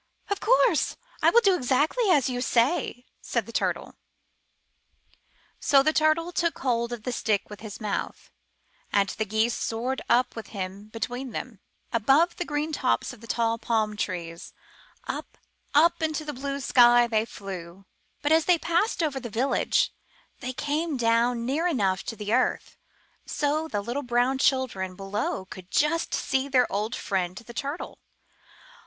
''Of course ! I will do exactly as you say," said the Turtle. 223 MY BOOK HOUSE So the Turtle took hold of the stick with his mouth, and the Geese soared up with him between them. Above the green tops of the tall palm trees, up, up into the blue sky they flew. But as they passed over the village, they came down near enough to the earth, so the little brown children below could just see their old friend, the Turtle.